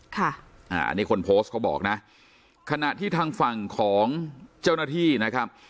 ค่ะอ่าอันนี้คนโพสต์เขาบอกนะขณะที่ทางฝั่งของเจ้าหน้าที่นะครับ